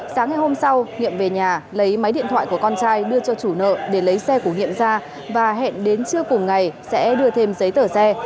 sáng ngày hôm sau nhiệm về nhà lấy máy điện thoại của con trai đưa cho chủ nợ để lấy xe của nhiệm ra và hẹn đến trưa cùng ngày sẽ đưa thêm giấy tờ xe